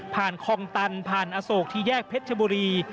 คลองตันผ่านอโศกที่แยกเพชรชบุรี